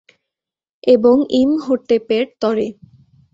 এবং, ইমহোটেপের তরে!